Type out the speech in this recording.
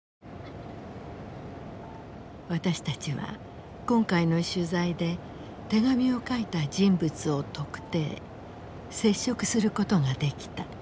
私たちは今回の取材で手紙を書いた人物を特定接触することができた。